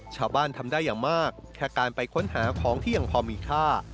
ชาวบ้านทำได้อย่างมากแค่การไปค้นหาของที่ยังพอมีค่า